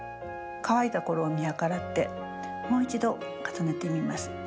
乾いた頃を見計らってもう一度重ねてみます。